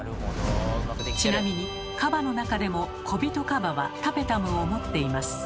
ちなみにカバの中でもコビトカバはタペタムを持っています。